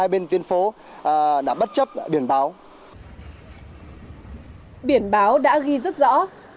biển báo đã ghi rất rõ